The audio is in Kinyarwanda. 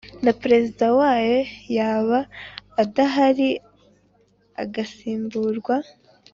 na Perezida wayo yaba adahari agasimburwa